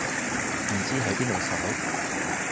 唔知喺邊度搜